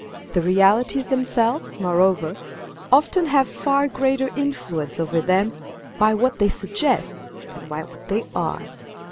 The realities themselves, moreover, often have far greater influence over them by what they suggest than by what they are.